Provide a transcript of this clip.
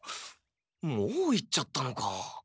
もう行っちゃったのか。